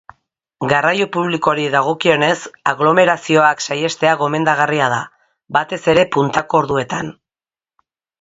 Garraio publikoari dagokionez, aglomerazioak saihestea gomendagarria da, batez ere puntako orduetan.